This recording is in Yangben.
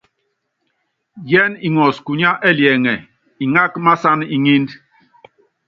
Yɛs ŋɔs kunya ɛliɛŋɛ iŋák masán iŋínd.